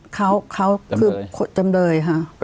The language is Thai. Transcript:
เขาจำเดย